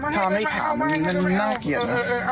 ถ้าไม่ถามมันน่าเกลียดนะ